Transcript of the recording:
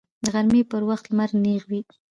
د غرمې په وخت لمر نیغ وي